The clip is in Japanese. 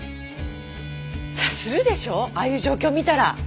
そりゃするでしょああいう状況見たら。